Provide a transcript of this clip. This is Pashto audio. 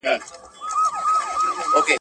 بېګناه چي د ګناه په تهمت وژني ..